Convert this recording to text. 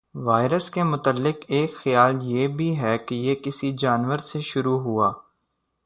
virus کے متعلق ایک خیال یہ بھی ہے کہ یہ کسی جانور سے شروع ہوا